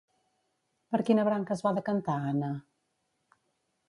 Per quina branca es va decantar Ana?